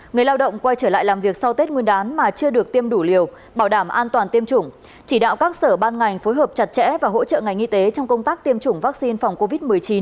người lao động quay trở lại làm việc sau tết nguyên đán mà chưa được tiêm đủ liều bảo đảm an toàn tiêm chủng chỉ đạo các sở ban ngành phối hợp chặt chẽ và hỗ trợ ngành y tế trong công tác tiêm chủng vaccine phòng covid một mươi chín